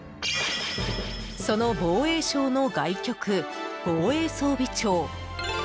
その防衛省の外局、防衛装備庁。